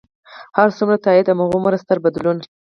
هر څومره تایید، هغومره ستر بدلون.